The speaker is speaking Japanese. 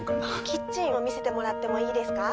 キッチンを見せてもらってもいいですか？